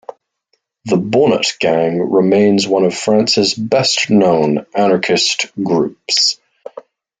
The Bonnot Gang remains one of France's best known anarchist groups.